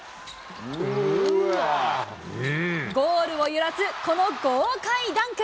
ゴールを揺らす、この豪快ダンク。